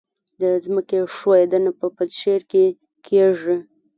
د ځمکې ښویدنه په پنجشیر کې کیږي